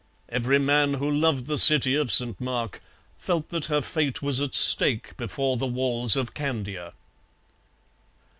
Every man who loved the city of St Mark felt that her fate was at stake before the walls of Candia.